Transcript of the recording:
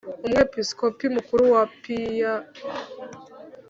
Umwepisikopi mukuru wa pear